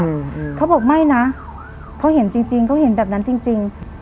อืมเขาบอกไม่นะเขาเห็นจริงจริงเขาเห็นแบบนั้นจริงจริง